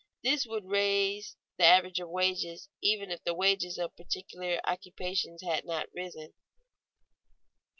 This would raise the average of wages even if the wages of particular occupations had not risen.